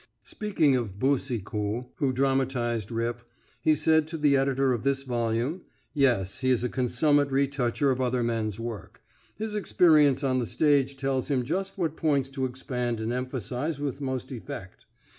Speaking of Boucicault, who dramatised Rip, he said to the editor of this volume: "Yes, he is a consummate retoucher of other men's work. His experience on the stage tells him just what points to expand and emphasise with most effect.